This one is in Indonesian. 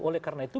oleh karena itu